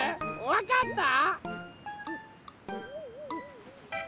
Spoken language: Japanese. わかった？